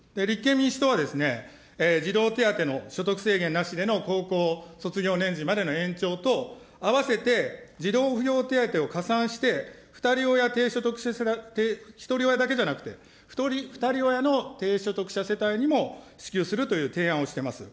立憲民主党は、児童手当の所得制限なしでの高校卒業年次までの延長と、あわせて児童扶養手当を加算して、２人親、ひとり親だけじゃなくて、ふたり親の低所得者世帯にも支給するという提案をしています。